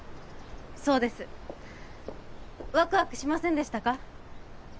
そうですワクワクしませんでしたか？